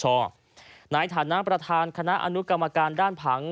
หน้าอิถถาขนาดประทานคณะอนุกรรมการด้านผัง